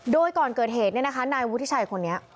โดยก่อนเกิดเหตุเนี่ยนะคะนายวุฒิชัยคนนี้